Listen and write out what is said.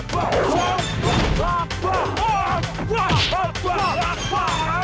kau harus mati di tanganku